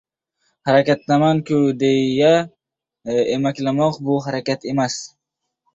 — Harakatdaman-ku deya emaklamoq – bu harakat emas.